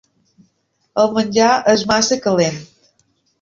El menjar és massa calent.